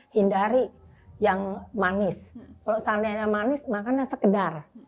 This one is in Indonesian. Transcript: hindari yang manis kalau seandainya manis makannya sekedar